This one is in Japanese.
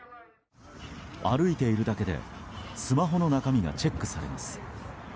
歩いているだけでスマホの中身をチェックされます。